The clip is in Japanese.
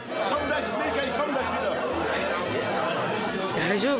大丈夫？